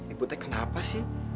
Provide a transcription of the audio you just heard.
ibu teh kenapa sih